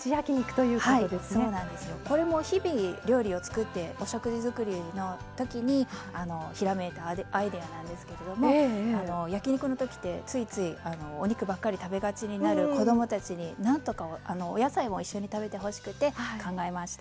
はいそうなんですよ。これも日々料理を作ってお食事作りの時にひらめいたアイデアなんですけれども焼き肉の時ってついついお肉ばっかり食べがちになる子どもたちになんとかお野菜も一緒に食べてほしくて考えました。